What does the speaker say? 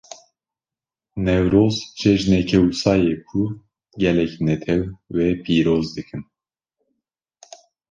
Newroz, cejineke wisa ye ku gelek netew wê pîroz dikin.